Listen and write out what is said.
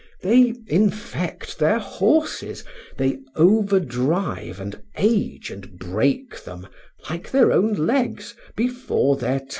They infect their horses, they overdrive and age and break them, like their own legs, before their time.